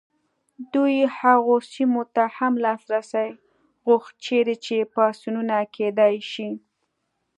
دوی هغو سیمو ته هم لاسرسی غوښت چیرې چې پاڅونونه کېدای شي.